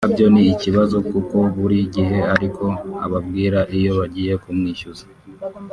ubwabyo ni kibazo kuko buri gihe ari ko ababwira iyo bagiye kumwishyuza